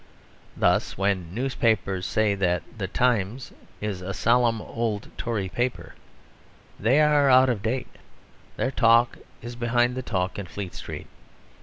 Thus when newspapers say that the Times is a solemn old Tory paper, they are out of date; their talk is behind the talk in Fleet Street.